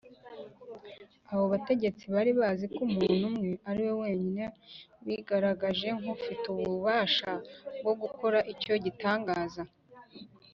Abo bategetsi bari bazi ko Umuntu Umwe ari we wenyine wigaragaje nk’ufite ububasha bwo gukora icyo gitangaza;